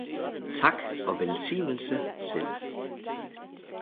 Tak og velsignelse selv!